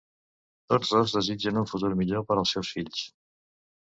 Tots dos desitgen un futur millor per als seus fills.